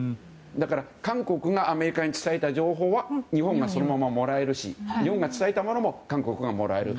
だから、韓国がアメリカに伝えた情報は日本がそのままもらえるし日本が伝えたものも韓国がもらえる。